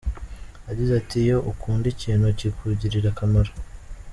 Yagize ati “Iyo ukunda ikintu kikugirira akamaro.